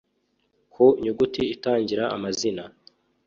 Ku nyuguti itangira amazina